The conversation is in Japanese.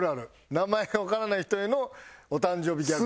名前がわからない人へのお誕生日ギャグ。